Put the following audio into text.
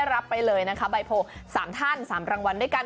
รับไปเลยนะคะใบโพล๓ท่าน๓รางวัลด้วยกัน